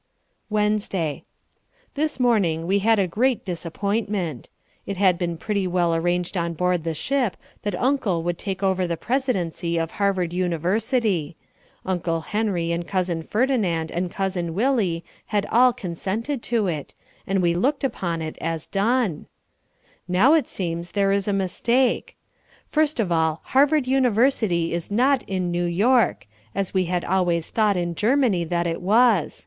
Wednesday This morning we had a great disappointment. It had been pretty well arranged on board the ship that Uncle would take over the presidency of Harvard University. Uncle Henry and Cousin Ferdinand and Cousin Willie had all consented to it, and we looked upon it as done. Now it seems there is a mistake. First of all Harvard University is not in New York, as we had always thought in Germany that it was.